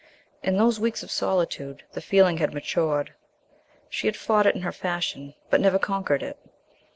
In those weeks of solitude the feeling had matured. She had fought it in her fashion, but never conquered it.